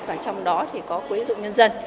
và trong đó thì có quỹ dụng nhân dân